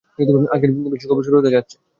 আজকের বিশেষ খবর শুরু হতে যাচ্ছে।